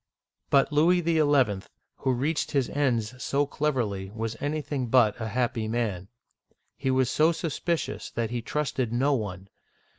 But Louis XL, who reached his ends so cleverly, was anything but a happy man. He was so suspicious that he trusted no one.